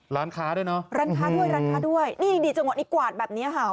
ร้านค้าด้วยเนอะร้านค้าด้วยร้านค้าด้วยนี่นี่จังหวะนี้กวาดแบบเนี้ยค่ะ